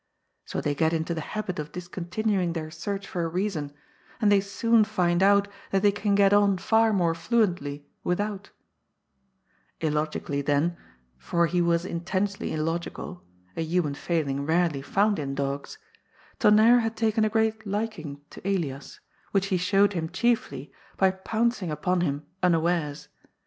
So they get into the habit of dis continuing their search for a reason, and they soon find out that they can get on far more fluently without Illogically, then — ^f or he was intensely illogical, a human failing rarely found in dogs — Tonnerre had taken a great liking to Elias, which he showed him chiefly by pouncing upon him unawares.